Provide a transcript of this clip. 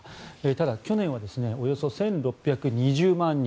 ただ、去年はおよそ１６２０万人。